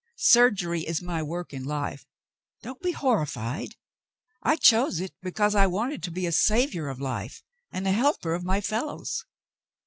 Surgery is my work in life — don't be horrified. I chose it because I wished to be a saver of life and a helper of my fellows."